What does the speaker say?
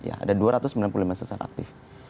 ada dua ratus sembilan puluh lima sesar aktif